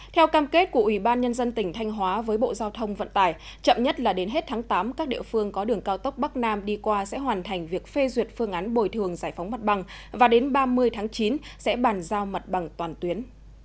theo cam kết của ủy ban nhân dân tỉnh thanh hóa với bộ giao thông vận tải chậm nhất là đến hết tháng tám các địa phương có đường cao tốc bắc nam đi qua sẽ hoàn thành việc phê duyệt phương án bồi thường giải phóng mặt bằng và đến ba mươi tháng chín sẽ bàn giao mặt bằng toàn tuyến